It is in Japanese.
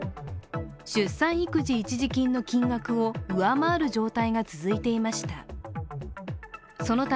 出産育児一時金の金額を上回る状態が続いていました。